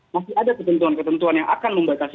masih ada ketentuan ketentuan yang akan membatasi